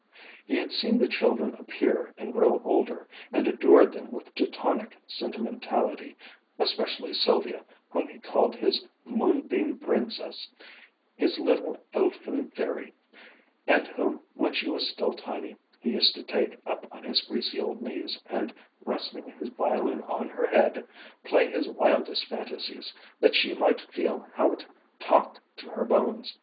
He had seen the children appear and grow older, and adored them with Teutonic sentimentality, especially Sylvia, whom he called his "Moonbeam brincess," his "little ellfen fairy," and whom, when she was still tiny, he used to take up on his greasy old knees and, resting his violin on her head, play his wildest fantasies, that she might feel how it "talked to her bones."